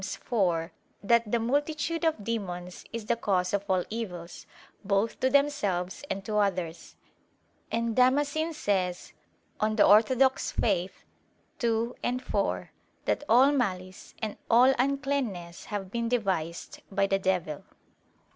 iv) that "the multitude of demons is the cause of all evils, both to themselves and to others." And Damascene says (De Fide Orth. ii, 4) that "all malice and all uncleanness have been devised by the devil."